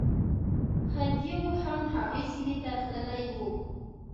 خدیو هم هغې سیمې ته تللی و.